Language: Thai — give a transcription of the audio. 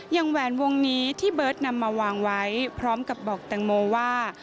แหวนวงนี้ที่เบิร์ตนำมาวางไว้พร้อมกับบอกแตงโมว่า